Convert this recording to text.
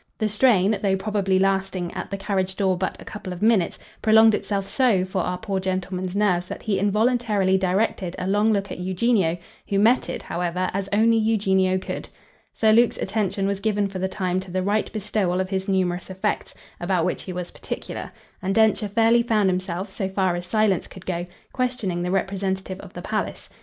The strain, though probably lasting, at the carriage door, but a couple of minutes, prolonged itself so for our poor gentleman's nerves that he involuntarily directed a long look at Eugenio, who met it, however, as only Eugenio could. Sir Luke's attention was given for the time to the right bestowal of his numerous effects, about which he was particular, and Densher fairly found himself, so far as silence could go, questioning the representative of the palace.